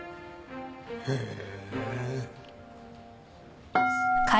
へえ。